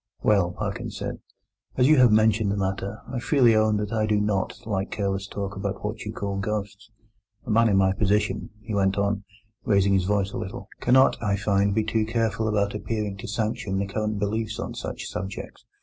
"Well," Parkins said, "as you have mentioned the matter, I freely own that I do not like careless talk about what you call ghosts. A man in my position," he went on, raising his voice a little, "cannot, I find, be too careful about appearing to sanction the current beliefs on such subjects.